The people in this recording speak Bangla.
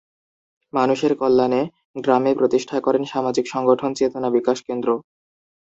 মানুষের কল্যাণে গ্রামে প্রতিষ্ঠা করেন সামাজিক সংগঠন "চেতনা বিকাশ কেন্দ্র"।